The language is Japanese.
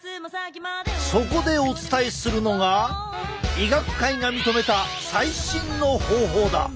そこでお伝えするのが医学界が認めた最新の方法だ！